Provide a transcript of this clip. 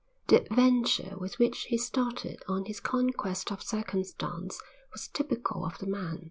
The adventure with which he started on his conquest of circumstance was typical of the man.